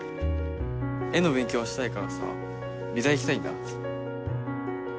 絵の勉強したいからさ美大行きたいんだ。